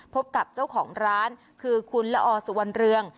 พบกับเจ้าของร้านคือคุณละอสุวรรณเรือง